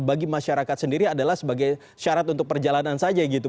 bagi masyarakat sendiri adalah sebagai syarat untuk perjalanan saja gitu